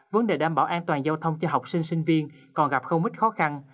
vấn đề đảm bảo an toàn giao thông cho học sinh sinh viên còn gặp không ít khó khăn